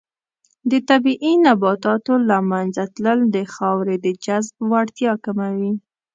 د طبیعي نباتاتو له منځه تلل د خاورې د جذب وړتیا کموي.